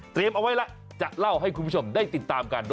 เอาไว้แล้วจะเล่าให้คุณผู้ชมได้ติดตามกัน